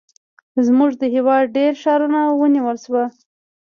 زموږ د هېواد ډېر ښارونه ونیول شول.